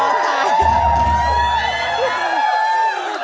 เป็นเรื่องราวของแม่นาคกับพี่ม่าครับ